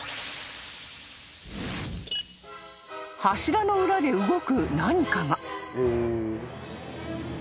［柱の裏で動く何かが］